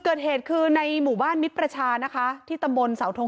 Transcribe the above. เกิดเหตุคือในหมู่บ้านมิตรประชานะคะที่ตำบลเสาทง